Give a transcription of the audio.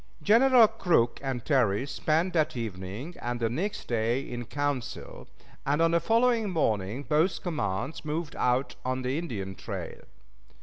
Generals Crook and Terry spent that evening and the next day in council, and on the following morning both commands moved out on the Indian trail.